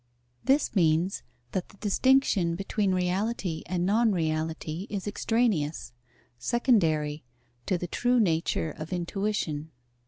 This means that the distinction between reality and non reality is extraneous, secondary, to the true nature of intuition.